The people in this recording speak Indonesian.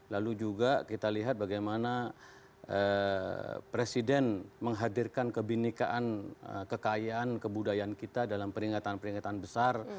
lalu juga kita lihat bagaimana presiden menghadirkan kebinekaan kekayaan kebudayaan kita dalam peringatan peringatan besar